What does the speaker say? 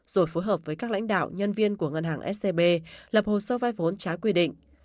rồi phối hợp với các lãnh đạo nhân viên của ngân hàng scb lập hồ sơ vai vốn trái quy định